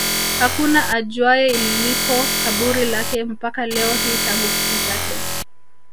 Hakuna ajuaye lilipo kaburi lake mpaka leo hii tangu kifo chake